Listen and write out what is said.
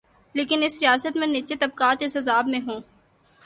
لیکن اس ریاست میں نچلے طبقات اس عذاب میں ہوں۔